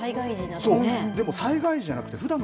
でも災害時じゃなくてふだん